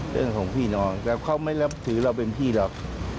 เรื่องของพี่น้องแต่เขาไม่นับถือเราเป็นพี่เรา